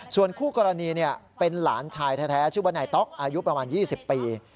ส่วนคู่กรณีเป็นหลานชายแท้ชื่อว่านายต๊อกอายุประมาณ๒๐ปี